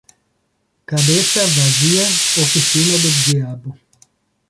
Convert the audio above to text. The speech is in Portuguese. Cabeça vazia, oficina do diabo.